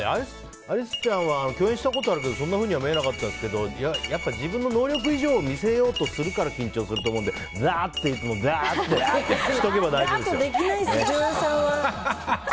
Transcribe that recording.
アリスちゃんは共演したことあるけどそんなふうには見えなかったけどやっぱ自分の能力以上を見せようとするから緊張すると思うのでいつも、ぐだーってしておけば大丈夫ですよ。